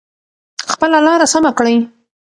خپله لاره سمه کړئ.